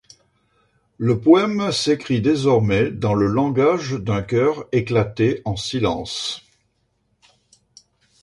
Le poème s’écrit désormais dans le langage d’un cœur éclaté en silences.